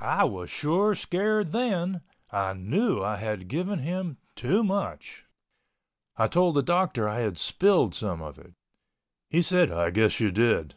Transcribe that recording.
I was sure scared then, I knew I had given him too much. I told the doctor I had spilled some of it. He said, "I guess you did!"